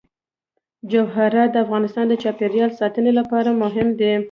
جواهرات د افغانستان د چاپیریال ساتنې لپاره مهم دي.